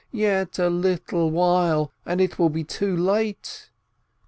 yet a little while, and it will be too late